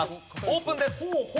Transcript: オープンです。